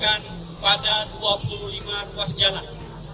kita tahap awal ini akan menerapkan pada dua puluh lima ruas jalan